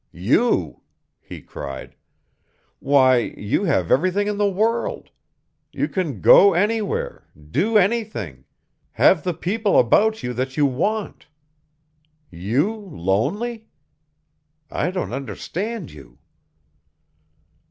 "You!" he cried. "Why, you have everything in the world; you can go anywhere, do anything, have the people about you that you want. You, lonely? I don't understand you."